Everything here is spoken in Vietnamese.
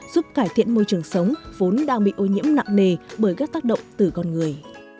giúp cải thiện môi trường sống vốn đang bị ô nhiễm nặng nề bởi các tác động từ con người